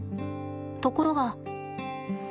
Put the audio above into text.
ところが。